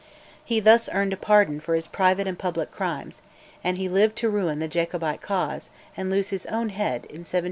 He thus earned a pardon for his private and public crimes, and he lived to ruin the Jacobite cause and lose his own head in 1745 46.